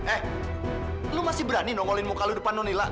eh lu masih berani nongolin muka lu depan nona nila